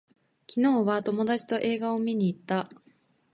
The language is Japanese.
昨日は友達と映画を見に行った